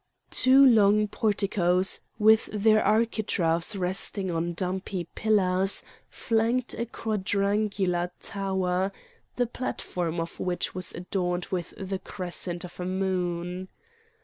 Two long porticoes, with their architraves resting on dumpy pillars, flanked a quadrangular tower, the platform of which was adorned with the crescent of a moon.